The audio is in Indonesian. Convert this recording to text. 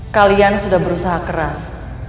kalian sudah berusaha keras